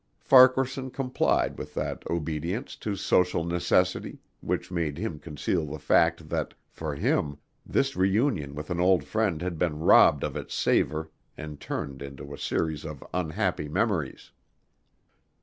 Farquaharson complied with that obedience to social necessity which made him conceal the fact that, for him, this reunion with an old friend had been robbed of its savor and turned into a series of unhappy memories.